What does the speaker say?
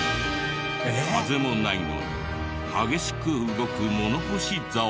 風もないのに激しく動く物干し竿。